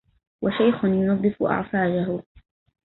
وشيخ ينظف أعفاجه